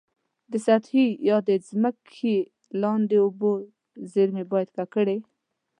د سطحي یا د ځمکي لاندي اوبو زیرمي باید ککړ.